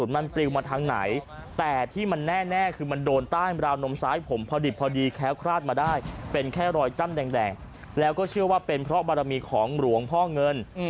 จ้ำแดงแล้วก็เชื่อว่าเป็นเพราะบารมีของหลวงพ่อเงิน